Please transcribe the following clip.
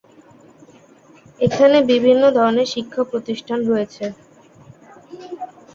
এখানে বিভিন্ন ধরনের শিক্ষা প্রতিষ্ঠান রয়েছে।